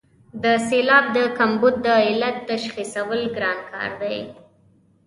د سېلاب د کمبود د علت تشخیصول ګران کار دی.